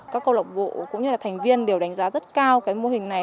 các câu lạc bộ cũng như là thành viên đều đánh giá rất cao cái mô hình này